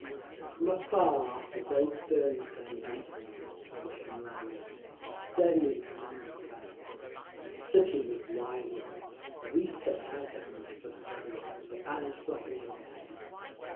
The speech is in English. From afar the vague stirring sound deepened and became louder, a steady and tremendous bass. The city was rising. We set out down the Tverskaya, the banners flapping overhead.